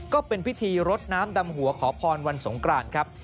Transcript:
ก็เป็นพิธีรดน้ำดำหัวขอพรวันสงกรานครับ